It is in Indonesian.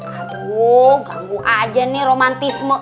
aduh ganggu aja nih romantisme